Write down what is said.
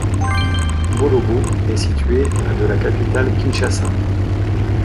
Bolobo est situé à de la capitale, Kinshasa.